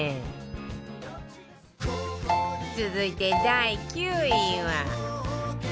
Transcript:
続いて第９位は